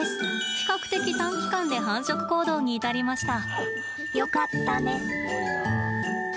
比較的短期間で繁殖行動に至りました。